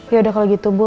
ya udah kalau gitu bu